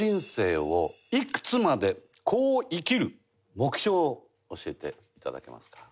目標を教えて頂けますか？